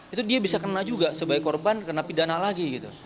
itu dia bisa kena juga sebagai korban kena pidana lagi